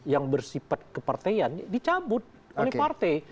yang bersifat kepartean dicabut oleh partai